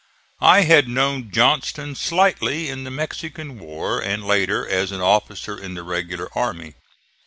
I had known Johnston slightly in the Mexican war and later as an officer in the regular army.